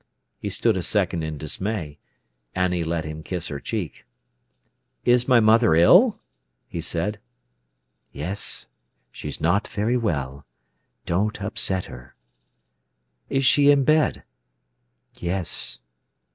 He stood a second in dismay. Annie let him kiss her cheek. "Is my mother ill?" he said. "Yes; she's not very well. Don't upset her." "Is she in bed?" "Yes."